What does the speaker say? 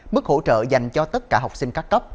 mức hỗ trợ dành cho tất cả học sinh các cấp